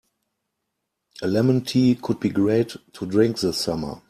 A lemon tea could be great to drink this summer.